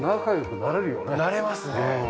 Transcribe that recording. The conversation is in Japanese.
なれますね。